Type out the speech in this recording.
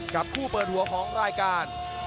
กับคู่เปิดหัวของรายการ